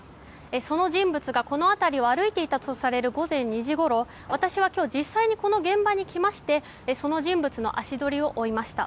その人物が、この辺りを歩いていたとされる午前２時ごろ私は今日実際に、この現場に来ましてその人物の足取りを追いました。